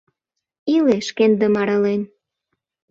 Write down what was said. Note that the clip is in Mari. «Иле шкендым арален